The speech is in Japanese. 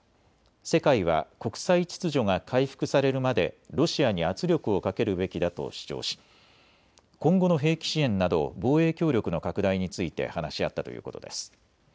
世界は国際秩序が回復されるまでロシアに圧力をかけるべきだと主張し今後の兵器支援など防衛協力の拡大について話し合ったということです。